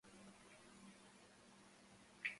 El álbum fue promocionado con el single "Chant No.